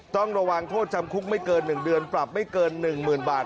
ต้องระวังโทษจำคุกไม่เกินหนึ่งเดือนปรับไม่เกินหนึ่งหมื่นบาท